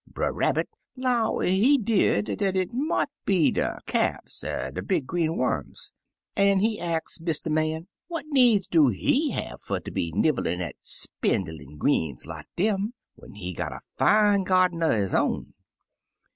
Brer Rabbit 'low, he did, dat it mought be the calfies er de big green worms, an' he ax Mr. Man what needs do he have fer ter be nibblin' at spindlin' greens like dem, when he got a fine gyarden er his own.